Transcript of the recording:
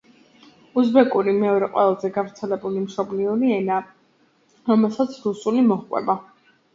უზბეკური მეორე ყველაზე გავრცელებული მშობლიური ენაა, რომელსაც რუსული მოჰყვება.